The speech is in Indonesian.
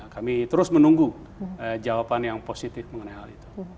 kami terus menunggu jawaban yang positif mengenai hal itu